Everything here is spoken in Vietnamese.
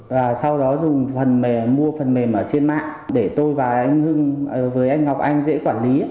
và sau đó dùng phần mềm mua phần mềm ở trên mạng để tôi và anh hưng với anh ngọc anh dễ quản lý